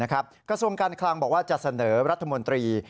กระทรวงการคลังบอกว่าจะเสนอรัฐมนตรี